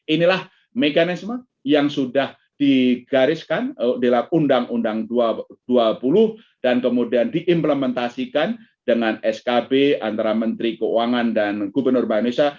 inilah mekanisme yang sudah digariskan dalam undang undang dua puluh dan kemudian diimplementasikan dengan skb antara menteri keuangan dan gubernur bank indonesia